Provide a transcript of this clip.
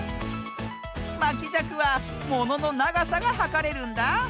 まきじゃくはもののながさがはかれるんだ。